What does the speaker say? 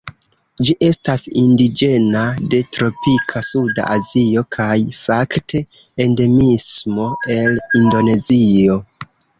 Ĝi estas indiĝena de tropika suda Azio, kaj fakte endemismo el Indonezio.